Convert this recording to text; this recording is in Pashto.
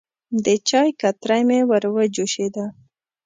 د چای کتری مې وروه جوشېده.